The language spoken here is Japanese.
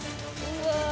うわ！